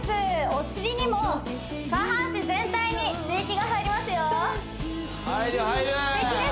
お尻にも下半身全体に刺激が入りますよ入る入る！